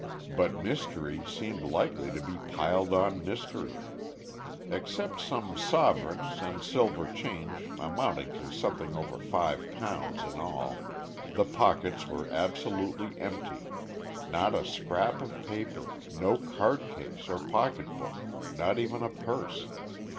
But mystery seemed likely to be piled on mystery. Except some sovereigns and silver change amounting to something over five pounds in all, the pockets were absolutely empty. Not a scrap of paper, no card case or pocket book, not even a purse.